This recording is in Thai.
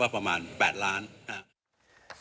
ประมาณ๘ล้านคัน